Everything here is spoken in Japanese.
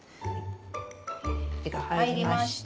土が入りました。